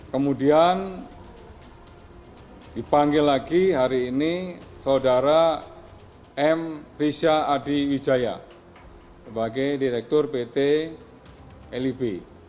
kemudian dipanggil lagi hari ini saudara m riza adiwijaya sebagai direktur pt lib